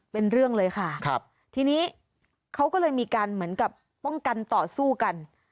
เป็นเรื่องเลยค่ะครับทีนี้เขาก็เลยมีการเหมือนกับป้องกันต่อสู้กัน